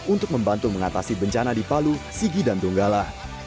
untuk membantu mengatasi bencana di palu sigi dan donggala